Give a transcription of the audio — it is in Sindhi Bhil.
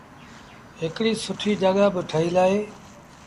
هڪڙيٚ سُٺي جآڳآ با ٺهيٚل اهي۔